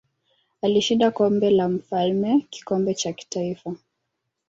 Alishinda Kombe la Mfalme kikombe cha kitaifa.